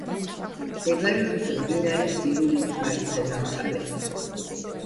მდებარეობს მდინარე ძირულის მარცხენა მხარეს.